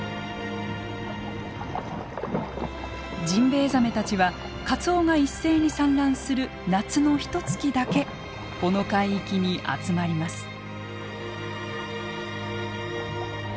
ジンベエザメたちはカツオが一斉に産卵する夏のひとつきだけこの海域に集まります。